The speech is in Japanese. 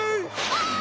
ああ！